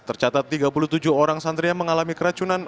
tercatat tiga puluh tujuh orang santria mengalami keracunan